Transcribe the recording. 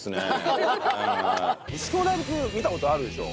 牛久の大仏見た事あるでしょ？